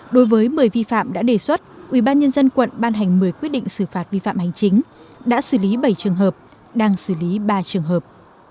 đối với một mươi vi phạm đã đề xuất ubnd quận ban hành một mươi quyết định xử phạt vi phạm hành chính đã xử lý bảy trường hợp đang xử lý ba trường hợp